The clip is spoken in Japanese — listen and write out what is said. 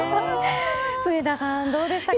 住田さん、どうでしたか？